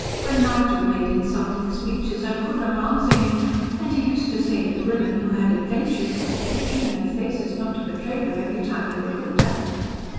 When Nigel made insulting speeches I could not answer him, and he used to say that women who had adventures should train their faces not to betray them every time they were looked at.